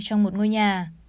trong một ngôi nhà